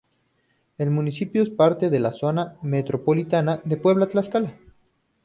El municipio es parte de la Zona Metropolitana de Puebla-Tlaxcala.